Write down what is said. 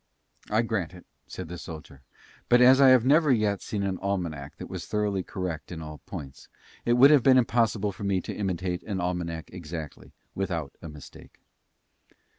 "I grant it," said the soldier, "but as I have never yet seen an almanack that was thoroughly correct in all points, it would have been impossible for me to imitate an almanack exactly, without, a mistake."